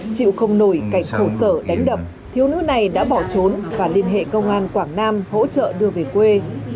chịu không nổi cảnh khổ sở đánh đập thiếu nữ này đã bỏ trốn và liên hệ công an quảng nam hỗ trợ đưa về quê